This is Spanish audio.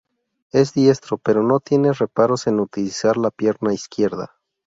Es diestro, pero no tiene reparos en utilizar la pierna izquierda.